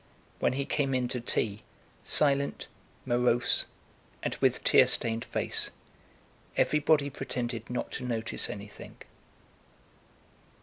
When he came in to tea, silent, morose, and with tear stained face, everybody pretended not to notice anything.